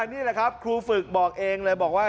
นี่แหละครับครูฝึกบอกเองเลยบอกว่า